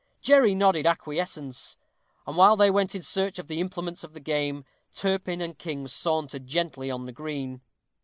Jerry nodded acquiescence. And while they went in search of the implements of the game, Turpin and King sauntered gently on the green.